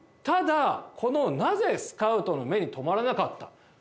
ただ、このなぜ、スカウトの目に留まらなかった？